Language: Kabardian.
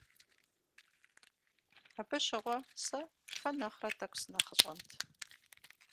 Абы щыгъуэ сэ фэ нэхърэ тӀэкӀу сынэхъыщӀэнт.